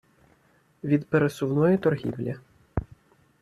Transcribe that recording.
від пересувної торгівлі.